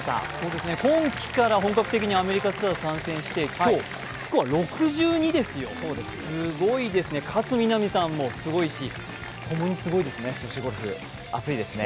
今季から本格的にアメリカツアー参戦して今日、スコア６２ですよ、すごいですね、勝みなみさんもすごいし、共にすごいですね。